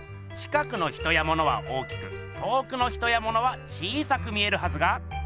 近くの人やものは大きく遠くの人やものは小さく見えるはずが。